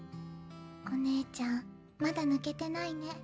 お姉ちゃんまだ抜けてないね。